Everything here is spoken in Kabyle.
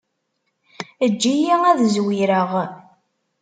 Eǧǧ-iyi ad zwireɣ.